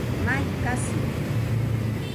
Mai kasi